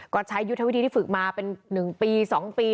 ก็ใช้ยุทธวิธีที่ฝึกมาเป็น๑ปี๒ปี